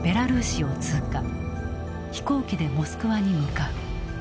飛行機でモスクワに向かう。